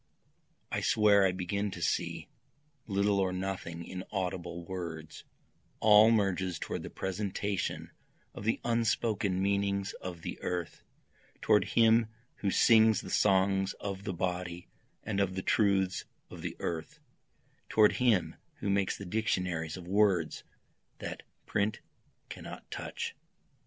I swear I begin to see little or nothing in audible words, All merges toward the presentation of the unspoken meanings of the earth, Toward him who sings the songs of the body and of the truths of the earth, Toward him who makes the dictionaries of words that print cannot touch.